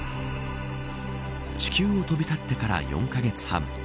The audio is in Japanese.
地球を飛び立ってから４カ月半。